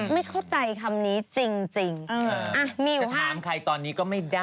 ไม่เข้าใจคำนี้จริงมิวจะถามใครตอนนี้ก็ไม่ได้